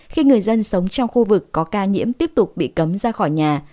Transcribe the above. khi người dân sống trong khu vực có ca nhiễm tiếp tục bị cấm ra khỏi nhà